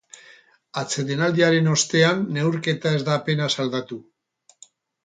Atsedenaldiaren ostean neurketa ez da apenas aldatu.